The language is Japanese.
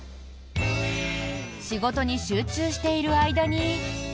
仕事に集中している間に。